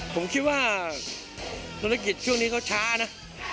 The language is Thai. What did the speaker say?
ผมคิดว่านักการณ์ช่วงนี้คิดของเขาช้านะ